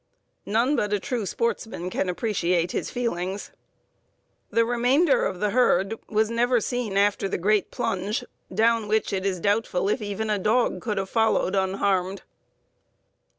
Hone but a true sportsman can appreciate his feelings. "The remainder of the herd was never seen after the great plunge, down which it is doubtful if even a dog could have followed unharmed."